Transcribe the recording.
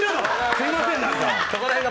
すみません、何か。